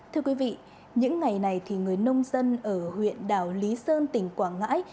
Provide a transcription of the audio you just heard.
thưa quý vị những ngày này thì người nông dân ở huyện đảo lý sơn tỉnh quảng ngãi